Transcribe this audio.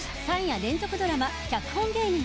３夜連続ドラマ「脚本芸人」。